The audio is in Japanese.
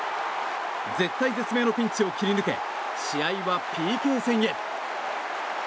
絶体絶命のピンチを切り抜け試合はＰＫ戦へ。